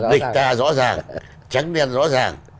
địch ta rõ ràng